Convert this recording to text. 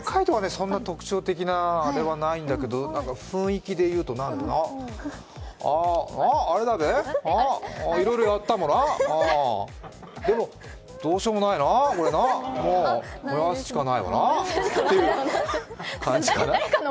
そんな特徴的なあれはないんだけど雰囲気で言うと、あれだべ、いろいろやったもら、でも、どうしようもないな、これな、もう、燃やすしかないわなという感じかな？